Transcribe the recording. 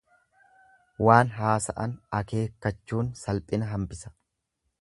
Waan haasa'an akeekkachuun salphina hambisa.